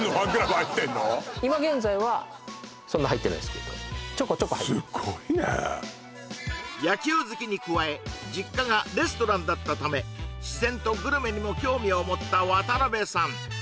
今現在はそんな入ってないっすけどちょこちょこ入ってすごいね野球好きに加え実家がレストランだったため自然とグルメにも興味を持った渡辺さん